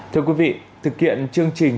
thưa quý vị thực hiện chương trình